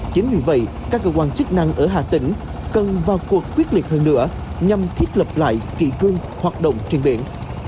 chính vì vậy các cơ quan chức năng ở hà tĩnh cần vào cuộc quyết liệt hơn nữa nhằm thiết lập lại kỳ cương hoạt động trên biển